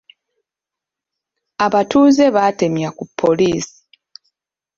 Abatuuze baatemya ku poliisi.